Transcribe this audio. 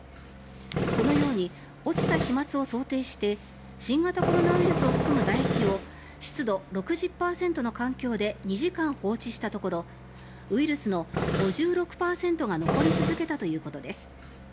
このように落ちた飛まつを想定して新型コロナウイルスを含むだ液を湿度６０％の環境で２時間放置したところウイルスの５６％が残り続けたということです。